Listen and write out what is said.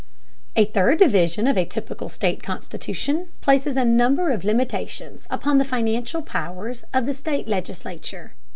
A third division of a typical state constitution places a number of limitations upon the financial powers of the state legislature.